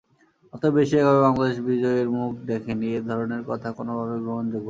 অতএব, এশিয়া কাপে বাংলাদেশ বিজয়ের মুখ দেখেনি—এ ধরনের কথা কোনোভাবেই গ্রহণযোগ্য নয়।